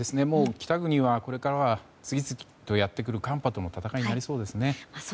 北国はこれからは次々とやってくる寒波との戦いになりそうですね。